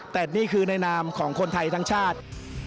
แต่นี่คือในนามของคนไทยทั้งชาติ